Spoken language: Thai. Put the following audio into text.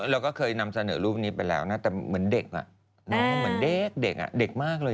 เราก็เคยนำเสนอรูปนี้ไปแล้วนะแต่เหมือนเด็กน้องเหมือนเด็กเด็กมากเลย